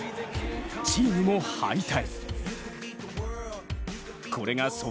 チームも敗退。